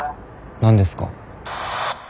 何ですか？